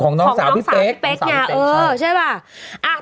ของน้องสาวพี่เป๊ก